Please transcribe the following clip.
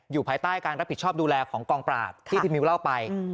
ภายใต้การรับผิดชอบดูแลของกองปราบที่พี่มิวเล่าไป